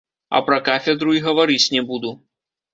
А пра кафедру і гаварыць не буду.